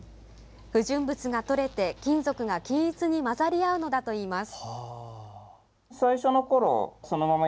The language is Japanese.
不純物がとれて、金属が均一に混ざり合うのだといいます。